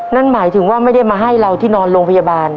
นั่นหมายถึงว่าไม่ได้มาให้เราที่นอนโรงพยาบาล